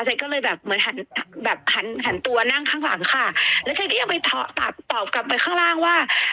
ก็เลยแบบเหมือนหันแบบหันหันตัวนั่งข้างหลังค่ะแล้วฉันก็ยังไปตัดตอบกลับไปข้างล่างว่า